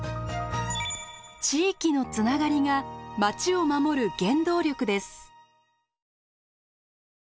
地域のつながりが町を守る原動力です。